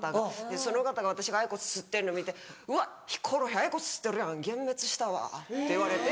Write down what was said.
その方が私がＩＱＯＳ吸ってんの見て「うわ！ヒコロヒーＩＱＯＳ吸ってるやん幻滅したわ」って言われて。